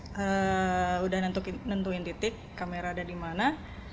kita sudah menentukan titik kamera ada di mana